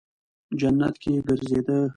جنت کې گرځېده.